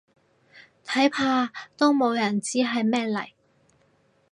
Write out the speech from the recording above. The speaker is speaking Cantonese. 睇怕都冇人知係咩嚟